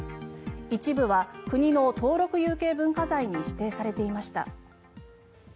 一部は国の登録有形文化財に指定されていました。